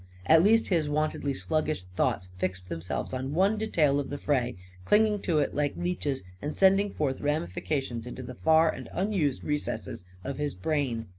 At least his wontedly sluggish thoughts fixed themselves on one detail of the fray, clinging to it like leeches and sending forth ramifications into the far and unused recesses of his brain.